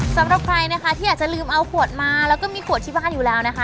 สำหรับใครนะคะที่อาจจะลืมเอาขวดมาแล้วก็มีขวดที่บ้านอยู่แล้วนะคะ